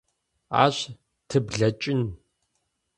Ащ тыблэкӏын.